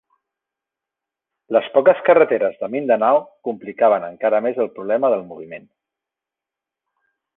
Les poques carreteres de Mindanao complicaven encara més el problema del moviment.